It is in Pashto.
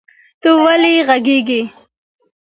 ته ویلې غږیږي؟